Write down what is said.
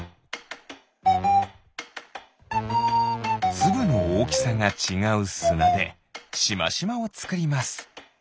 つぶのおおきさがちがうすなでしましまをつくります。